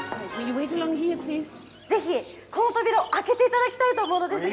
◆ぜひ、この扉を開けていただきたいと思うのですが。